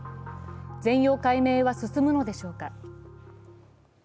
全容解明は進むのでしょうか。